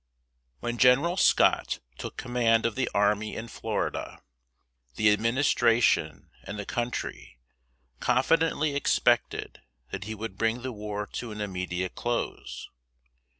When General Scott took command of the army in Florida, the Administration and the country confidently expected that he would bring the war to an immediate close.